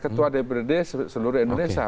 ketua dprd seluruh indonesia